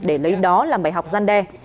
để lấy đó làm bài học gian đe